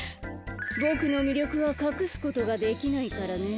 ボクのみりょくはかくすことができないからねははん。